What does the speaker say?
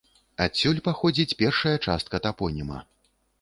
Адсюль паходзіць першая частка тапоніма.